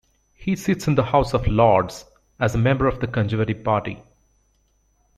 He sits in the House of Lords as a member of the Conservative Party.